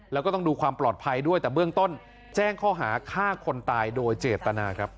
แล้วก็ต้องดูความปลอดภัยด้วยแต่เบื้องต้นแจ้งข้อหาฆ่าคนตายโดยเจตนาครับ